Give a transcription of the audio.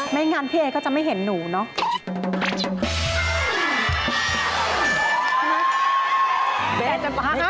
งั้นพี่เอก็จะไม่เห็นหนูเนาะ